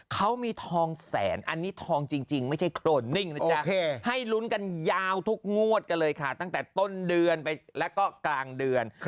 เขามีทองแสนอันนี้ทองจริงไม่ใช่โครนนิ่งนะจ๊ะให้ลุ้นกันยาวทุกงวดกันเลยค่ะตั้งแต่ต้นเดือนไปแล้วก็กลางเดือน